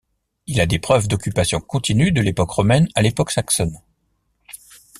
Il y a des preuves d'occupation continue de l'époque romaine à l'époque saxonne.